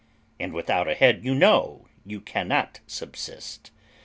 And without a head, you know, you cannot subsist.